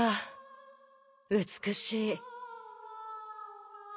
美しい。